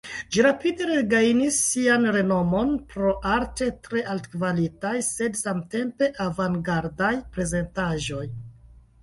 Ĝi rapide regajnis sian renomon pro arte tre altkvalitaj sed samtempe avangardaj prezentaĵoj.